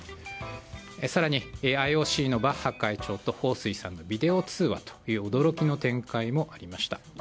更にＩＯＣのバッハ会長とホウ・スイさんのビデオ通話という驚きの展開もありました。